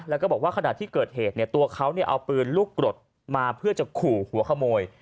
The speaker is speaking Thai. แล้วก็บอกว่าขณะที่เกิดเหตุตัวเขาเอาปืนลูกกรดมาเพื่อจะขู่หัวขโมย